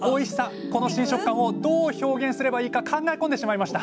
この新食感をどう表現すればいいか考え込んでしまいました